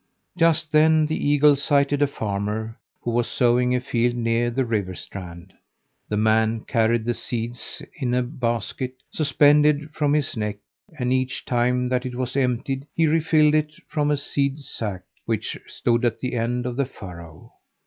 Just then the eagle sighted a farmer who was sowing a field near the river strand. The man carried the seeds in a basket suspended from his neck, and each time that it was emptied he refilled it from a seed sack which stood at the end of the furrow.